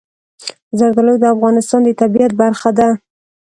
زردالو د افغانستان د طبیعت برخه ده.